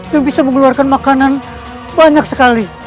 yang bisa mengeluarkan makanan banyak sekali